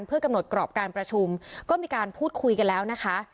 เพื่อกำหนดกรอบการประชุมก็มีการพูดคุยกันแล้วนะคะ